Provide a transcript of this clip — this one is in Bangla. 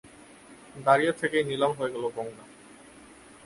দাঁড়িয়ে থেকেই নিলাম হয়ে গেলো গঙা।